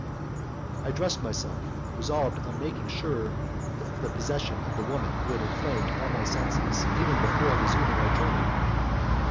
I dressed myself, resolved on making sure of the possession of the woman who had inflamed all my senses, even before resuming our journey.